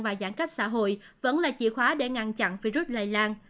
và giãn cách xã hội vẫn là chìa khóa để ngăn chặn virus lây lan